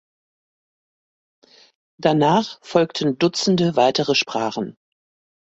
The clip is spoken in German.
Danach folgen Dutzende weitere Sprachen.